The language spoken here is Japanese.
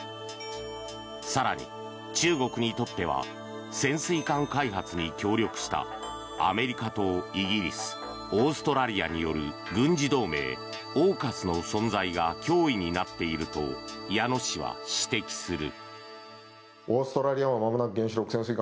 更に、中国にとっては潜水艦開発に協力したアメリカとイギリスオーストラリアによる軍事同盟ＡＵＫＵＳの存在が脅威になっていると矢野氏は指摘する。